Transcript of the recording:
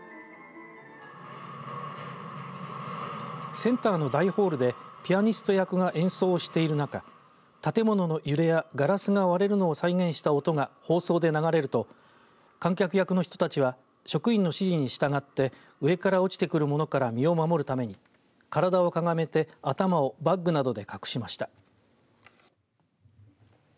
センターの大ホールでピアニスト役が演奏をしている中建物の揺れやガラスが割れるのを再現した音が放送で流れると観客役の人たちは職員の指示に従って上から落ちてくる物から身を守るため体をかがめて頭をバッグなどで隠しました。